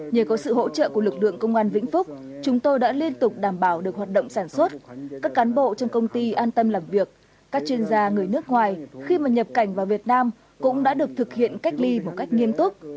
nhờ có sự hỗ trợ của lực lượng công an vĩnh phúc chúng tôi đã liên tục đảm bảo được hoạt động sản xuất các cán bộ trong công ty an tâm làm việc các chuyên gia người nước ngoài khi mà nhập cảnh vào việt nam cũng đã được thực hiện cách ly một cách nghiêm túc